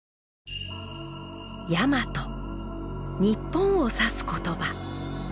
日本を指す言葉。